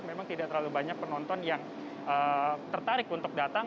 memang tidak terlalu banyak penonton yang tertarik untuk datang